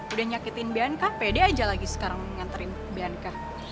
udah nyakitin bianca pede aja lagi sekarang nganterin bianca